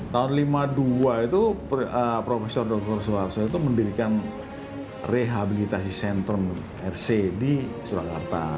tahun seribu sembilan ratus lima puluh dua itu prof dr suharto itu mendirikan rehabilitasi sentrum rc di surakarta